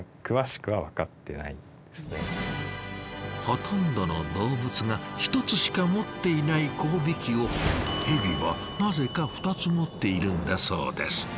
ほとんどの動物が１つしか持っていない交尾器をヘビはなぜか２つ持っているんだそうです。